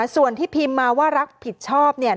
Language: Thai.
ส่วนที่พิมพ์มาว่ารับผิดชอบเนี่ย